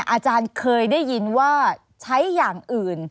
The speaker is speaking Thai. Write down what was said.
อาจารย์เคยได้ยินว่าใช้อย่างอื่น